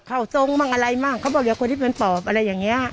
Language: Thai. เขาตรงบ้างอะไรบ้างเขาบอกอย่างคนที่เป็นปอบอะไรอย่างนี้